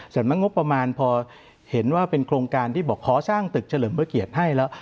นักงบประมาณพอเห็นว่าเป็นโครงการที่บอกขอสร้างตึกเฉลิมพระเกียรติให้แล้ว